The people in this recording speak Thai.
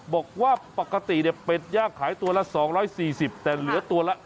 บอกว่าปกติเนี่ยเป็ดย่างขายตัวละ๒๔๐แต่เหลือตัวละ